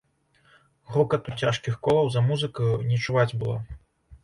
Грукату цяжкіх колаў за музыкаю не чуваць было.